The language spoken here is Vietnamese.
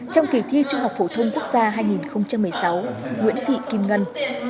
trong kỳ thi trung học phổ thông quốc gia hai nghìn một mươi sáu nguyễn thị kim ngân